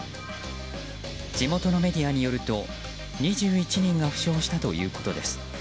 地元のメディアによると２１人が負傷したということです。